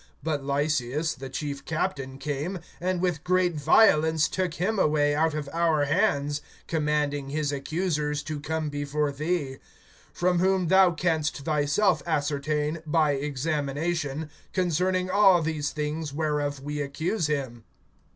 (7)But Lysias the chief captain came, and with great violence took him away out of our hands, (8)commanding his accusers to come before thee;] from whom thou canst thyself ascertain, by examination, concerning all these things whereof we accuse him.